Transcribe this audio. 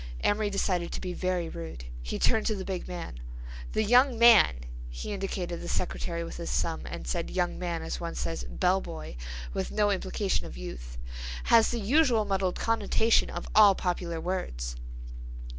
Amory decided to be very rude. He turned to the big man. "The young man," he indicated the secretary with his thumb, and said young man as one says bell boy, with no implication of youth, "has the usual muddled connotation of all popular words."